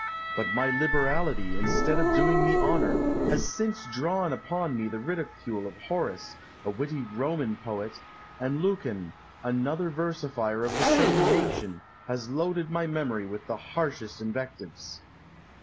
But my liberality, instead of doing me honour, has since drawn upon me the ridicule of Horace, a witty Roman poet; and Lucan, another versifier of the same nation, has loaded my memory with the harshest invectives.